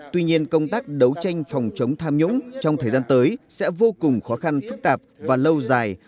tuy nhiên công tác đấu tranh phòng chống tham nhũng trong thời gian tới sẽ vô cùng khó khăn phức tạp và lâu dài